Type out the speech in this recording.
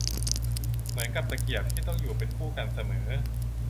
เหมือนกับตะเกียบที่ต้องอยู่เป็นคู่กันเสมอ